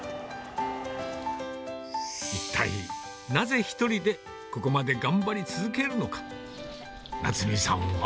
一体、なぜ１人でここまで頑張り続けるのか。